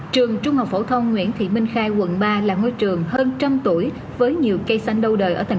trường trung học phổ thông nguyễn thị minh khai quận ba là ngôi trường hơn trăm tuổi với nhiều cây xanh lâu đời ở tp hcm